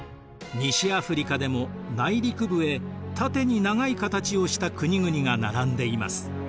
西アフリカでも内陸部へ縦に長い形をした国々が並んでいます。